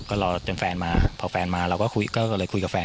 ก็รอจนแฟนมาพอแฟนมาเราก็เลยคุยกับแฟน